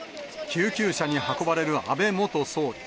救急車に運ばれる安倍元総理。